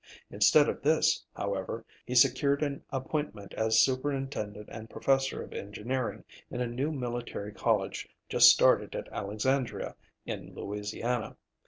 Instead of this, however, he secured an appointment as Superintendent and Professor of Engineering in a new military college just started at Alexandria, in Louisiana.